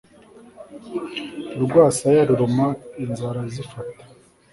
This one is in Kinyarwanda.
Urwasaya ruruma inzara zifata